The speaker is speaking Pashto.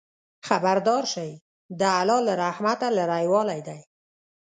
خبردار شئ! د الله له رحمته لرېوالی دی.